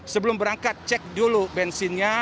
sebelum berangkat cek dulu bensinnya